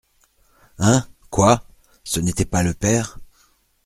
Hein ! quoi !… ce n’était pas le père !